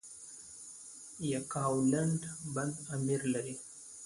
یکاولنګ بند امیر لري؟